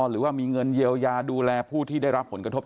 หรือว่ามีเงินเยียวยาดูแลผู้ที่ได้รับผลกระทบ